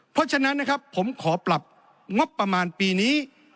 เพราะฉะนั้นนะครับผมขอปรับงบประมาณปีนี้